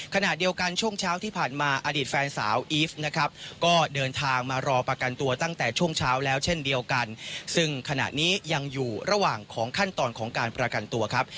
ขณะเดียวกันช่วงเช้าที่ผ่านมาอดีตแฟนสาวอีฟนะครับก็เดินทางมารอประกันตัวตั้งแต่ช่วงเช้าแล้วเช่นเดียวกันซึ่งขณะนี้ยังอยู่ระหว่างของขั้นตอนของการประกันตัวครับ